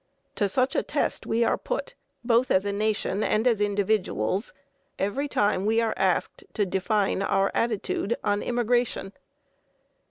To such a test we are put, both as a nation and as individuals, every time we are asked to define our attitude on immigration.